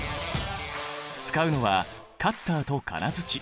使うのはカッターと金づち。